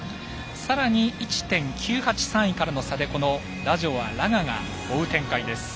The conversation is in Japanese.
さらに、１．９８、３位からこのラジョワ、ラガが追う展開です。